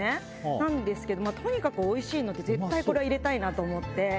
なんですけどとにかくおいしいので絶対これは入れたいなと思って。